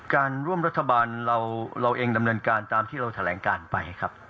การร่วมรัฐบาลเราเองดำเนินการตามที่เราแถลงการไปครับ